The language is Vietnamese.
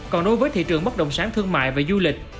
còn đối với thị trường bất động sản thương mại và du lịch